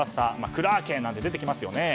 クラーケンなんかにも出てきますよね。